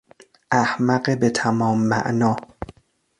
احمق به تمام معنا